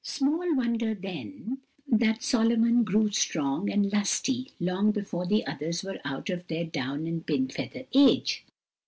Small wonder then that Solomon grew strong and lusty long before the others were out of their down and pin feather age.